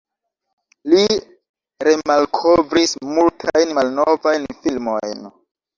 Li remalkovris multajn malnovajn filmojn.